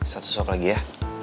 satu suap lagi ya